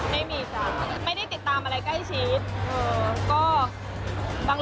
เยอะจัง